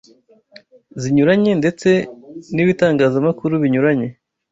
zinyuranye ndetse n’ibitangazamakuru binyuranye